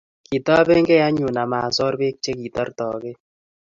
Kitobenkei anyun amasor Bek chekitortokei